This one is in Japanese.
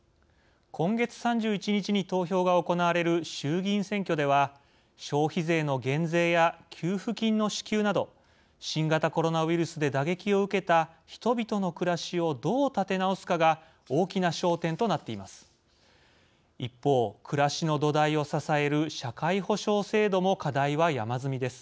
今月３１日に投票が行われる衆議院選挙では消費税の減税や給付金の支給など新型コロナウイルスで打撃を受けた人々の暮らしをどう立て直すかが大きな焦点となっています。